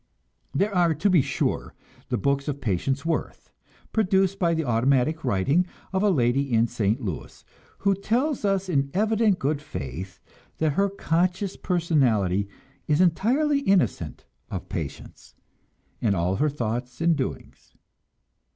There are, to be sure, the books of Patience Worth, produced by the automatic writing of a lady in St. Louis, who tells us in evident good faith that her conscious personality is entirely innocent of Patience, and all her thought and doings.